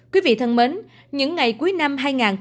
quý vị thân mến những ngày cuối năm hai nghìn hai mươi